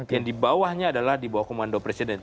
yang dibawahnya adalah dibawah komando presiden